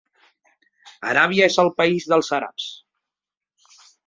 Aràbia és el país dels àrabs.